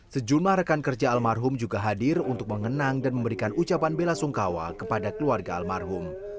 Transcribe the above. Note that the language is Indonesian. sejumlah rekan kerja almarhum juga hadir untuk mengenang dan memberikan ucapan bela sungkawa kepada keluarga almarhum